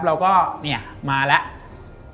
เราก็มาแล้ว